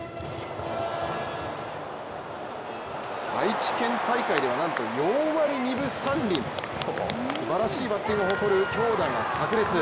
愛知県大会でなんと４割２分３厘すばらしいバッティングを誇る強打がさく裂。